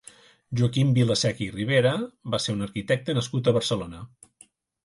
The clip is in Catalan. Joaquim Vilaseca i Rivera va ser un arquitecte nascut a Barcelona.